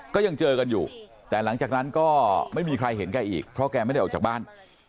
ก็ยังเจอกันอยู่แต่หลังจากนั้นก็ไม่มีใครเห็นแกอีกเพราะแกไม่ได้ออกจากบ้าน